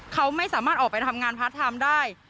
เขาไม่สามารถออกไปทำงานพาร์ทไทม์ได้